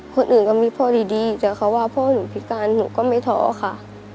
คนอื่นก็มีพ่อดีแต่เขาว่าพ่อหนูพิการหนูก็ไม่ท้อค่ะ